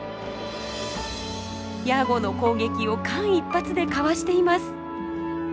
ヤゴの攻撃を間一髪でかわしています。